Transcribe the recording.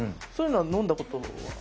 そういうのはのんだことは？